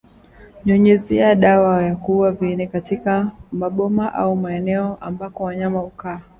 Nyunyiza dawa ya kuua viini katika maboma au maeneo ambako wanyama hukaa